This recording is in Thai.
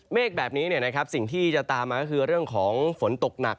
เมฆแบบนี้สิ่งที่จะตามมาก็คือเรื่องของฝนตกหนัก